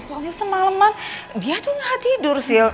soalnya semaleman dia tuh enggak tidur sil